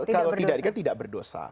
kalau tidak ringan tidak berdosa